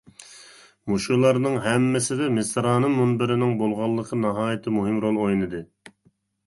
مۇشۇلارنىڭ ھەممىسىدە مىسرانىم مۇنبىرىنىڭ بولغانلىقى ناھايىتى مۇھىم رول ئوينىدى.